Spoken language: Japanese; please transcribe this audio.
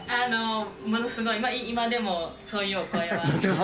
ものすごい、今でも、そういうお声は。